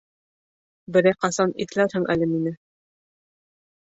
— Берәй ҡасан иҫләрһең әле мине.